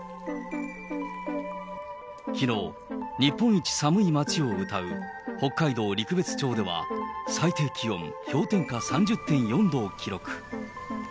きのう、日本一寒い町をうたう北海道陸別町では、最低気温氷点下３０．４度を記録。